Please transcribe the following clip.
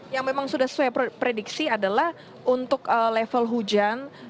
yang memang sudah sesuai prediksi adalah untuk level hujan